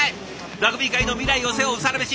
ラグビー界の未来を背負うサラメシ